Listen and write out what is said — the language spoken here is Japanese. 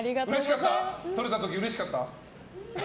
取れた時うれしかった？